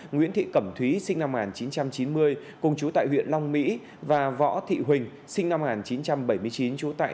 nguyễn thị cẩm thúy sinh năm một nghìn chín trăm chín mươi cùng chú tại huyện long mỹ và võ thị huỳnh sinh năm một nghìn chín trăm bảy mươi chín trú tại